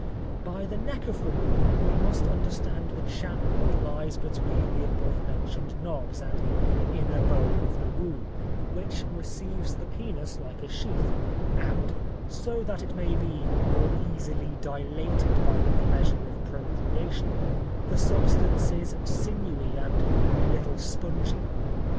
By the neck of the womb we must understand the channel that lies between the above mentioned knobs and the inner bone of the womb, which receives the penis like a sheath, and so that it may be more easily dilated by the pleasure of procreation, the substance is sinewy and a little spongy.